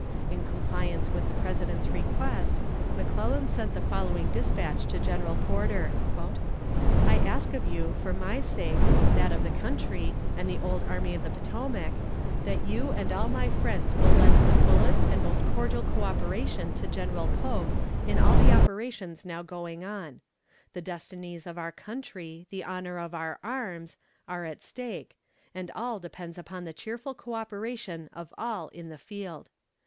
In compliance with the President's request, McClellan sent the following despatch to General Porter: "I ask of you, for my sake, that of the country, and the old Army of the Potomac, that you and all my friends will lend the fullest and most cordial co operation to General Pope in all the operations now going on. The destinies of our country, the honor of our arms, are at stake, and all depends upon the cheerful co operation of all in the field.